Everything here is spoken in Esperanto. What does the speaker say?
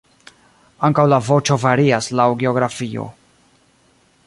Ankaŭ la voĉo varias laŭ geografio.